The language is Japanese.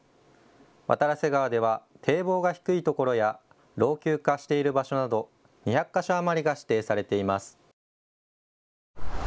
渡良瀬川では堤防が低いところや老朽化している場所など２００か所余りが指定されています。